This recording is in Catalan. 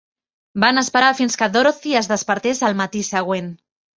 Van esperar fins que Dorothy es despertés al matí següent.